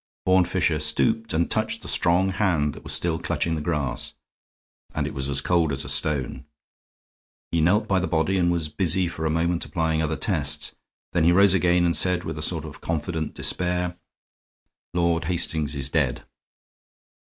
Horne Fisher stooped and touched the strong hand that was still clutching the grass, and it was as cold as a stone. He knelt by the body and was busy for a moment applying other tests; then he rose again, and said, with a sort of confident despair: "Lord Hastings is dead."